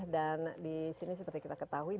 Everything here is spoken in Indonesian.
dan disini seperti kita ketahui